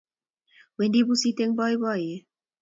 Wendi pusit eng boiboiyet